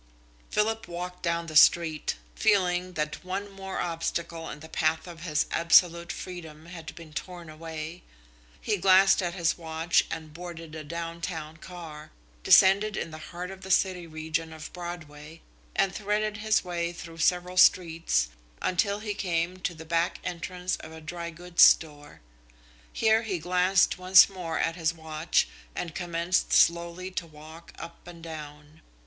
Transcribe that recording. Philip walked down the street, feeling that one more obstacle in the path of his absolute freedom had been torn away. He glanced at his watch and boarded a down town car, descended in the heart of the city region of Broadway, and threaded his way through several streets until he came to the back entrance of a dry goods store. Here he glanced once more at his watch and commenced slowly to walk up and down.